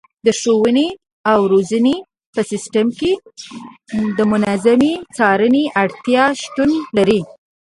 د ښوونې او روزنې په سیستم کې د منظمې څارنې اړتیا شتون لري.